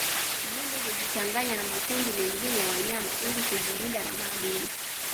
Nyumbu hujichanganya na makundi mengine ya wanyama ili kujilinda na maadui